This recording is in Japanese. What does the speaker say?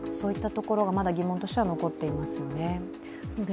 ところがまだ疑問として残っていますよね。